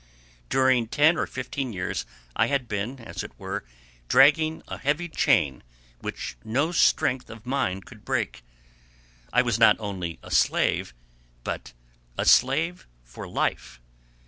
During ten or fifteen years I had been, as it were, dragging a heavy chain which no strength of mine could break; I was not only a slave, but a slave for life.